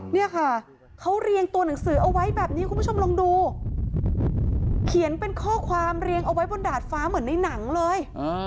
เนี่ยค่ะเขาเรียงตัวหนังสือเอาไว้แบบนี้คุณผู้ชมลองดูเขียนเป็นข้อความเรียงเอาไว้บนดาดฟ้าเหมือนในหนังเลย